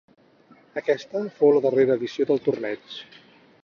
Aquesta fou la darrera edició del torneig.